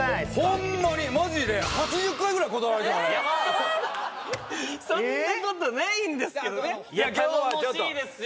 ホンマにマジでそんなことないんですけどね頼もしいですよ